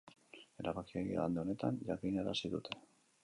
Erabakia igande honetan jakinarazi dute.